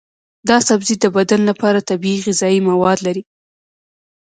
دا سبزی د بدن لپاره طبیعي غذایي مواد لري.